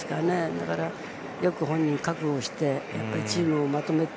だから、よく本人、覚悟してチームをまとめて。